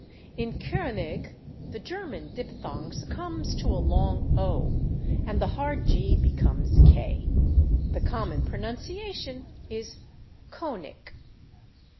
In /König/ the German diphthong succumbs to a long /o/, and the hard /g/ becomes /k/; the common pronunciation is /Cone ik